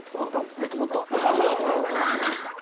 あ止まった。